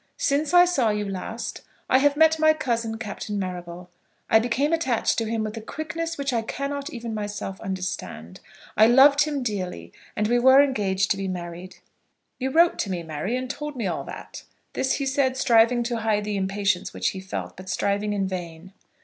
Since I saw you last, I have met my cousin, Captain Marrable. I became attached to him with a quickness which I cannot even myself understand. I loved him dearly, and we were engaged to be married." "You wrote to me, Mary, and told me all that." This he said, striving to hide the impatience which he felt; but striving in vain.